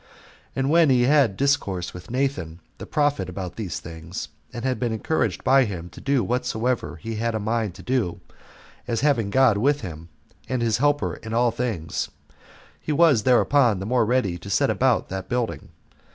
8 And when he had discoursed with Nathan the prophet about these things, and had been encouraged by him to do whatsoever he had a mind to do, as having God with him, and his helper in all things, he was thereupon the more ready to set about that building.